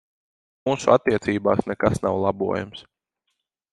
Mūsu attiecībās nekas nav labojams.